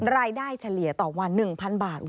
รายได้เฉลี่ยต่อวัน๑๐๐๐บาท